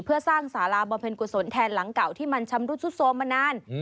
เพื่อสร้างสาราบำเพ็ญกุศลแทนหลังเก่าที่มันชำรุดซุดโทรมมานาน